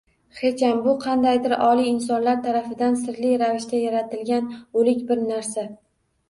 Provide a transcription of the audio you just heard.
Hecham! Bu — qandaydir oliy insonlar tarafidan sirli ravishda yaratilgan o‘lik bir narsa